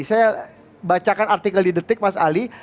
saya bacakan artikel di detik mas ali